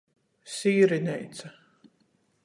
Sīrineica.